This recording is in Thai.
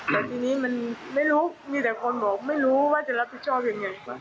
แต่ทีนี้มันไม่รู้มีแต่คนบอกไม่รู้ว่าจะรับผิดชอบยังไง